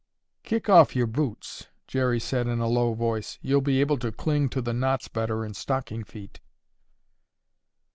"Kick off your boots," Jerry said in a low voice; "you'll be able to cling to the knots better in stocking feet."